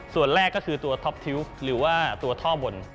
ส่วนแรกก็คือตัวท็อปทิวหรือว่าตัวท่อบน